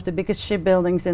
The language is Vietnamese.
và đã kết thúc một trang phóng